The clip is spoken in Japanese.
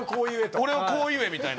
「俺をこう言え」みたいな。